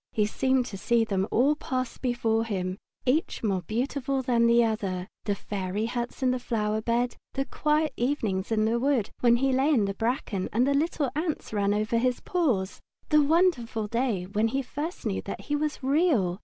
He seemed to see them all pass before him, each more beautiful than the other, the fairy huts in the flower bed, the quiet evenings in the wood when he lay in the bracken and the little ants ran over his paws; the wonderful day when he first knew that he was Real.